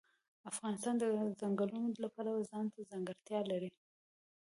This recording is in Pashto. افغانستان د ځنګلونو د پلوه ځانته ځانګړتیا لري.